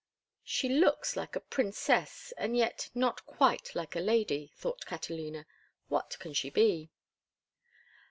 "She looks like a princess and yet not quite like a lady," thought Catalina. "What can she be?"